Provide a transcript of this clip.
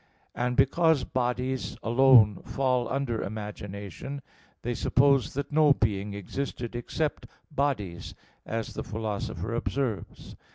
And because bodies alone fall under imagination, they supposed that no being existed except bodies, as the Philosopher observes (Phys.